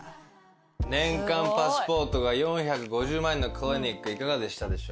年間パスポートが４５０万円のクリニックいかがでしたでしょうか？